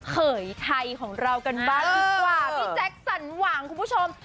เขยไทยของเรากันบ้างดีกว่าพี่แจ็คสันหวังคุณผู้ชม